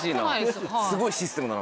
すごいシステムだな。